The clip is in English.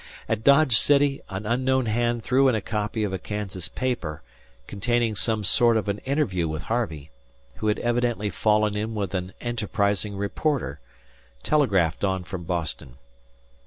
At Dodge City an unknown hand threw in a copy of a Kansas paper containing some sort of an interview with Harvey, who had evidently fallen in with an enterprising reporter, telegraphed on from Boston.